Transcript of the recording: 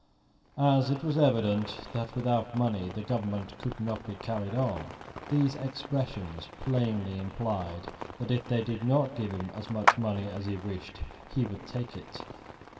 As it was evident that without money the government could not be carried on, these expressions plainly implied that, if they did not give him as much money as he wished, he would take it.